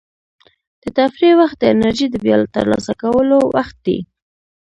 د تفریح وخت د انرژۍ د بیا ترلاسه کولو وخت دی.